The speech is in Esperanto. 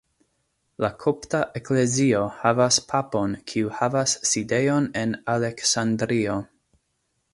La kopta eklezio havas papon kiu havas sidejon en Aleksandrio.